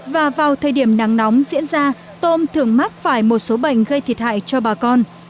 và vào thời điểm nắng nóng diễn ra tôm thường mắc phải một số bệnh gây thiệt hại cho bà con